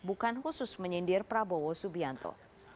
bukan khusus menyindir prabowo subianto